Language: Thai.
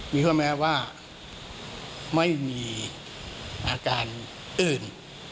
มีข้อแม้ว่าไม่มีอาการอื่น